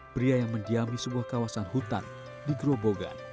pria yang mendiami sebuah kawasan hutan di gerobogan